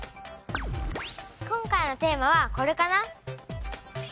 今回のテーマはこれかな。